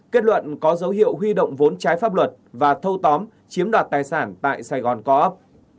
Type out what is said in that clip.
kết luận có dấu hiệu huy động vốn trái pháp luật và thâu tóm chiếm đoạt tài sản tại sài gòn co op